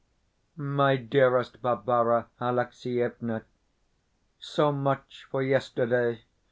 MY DEAREST BARBARA ALEXIEVNA SO much for yesterday!